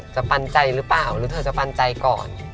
ปันใจหรือเปล่าหรือเธอจะปันใจก่อน